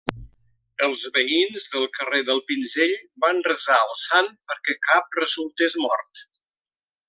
Els veïns del carrer del Pinzell va resar al sant perquè cap resultés mort.